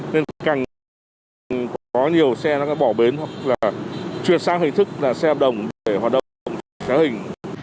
nên càng có nhiều xe nó đã bỏ bến hoặc là chuyển sang hình thức là xe hợp đồng để hoạt động sáng hình